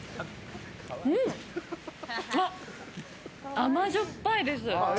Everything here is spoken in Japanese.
甘じょっぱいです。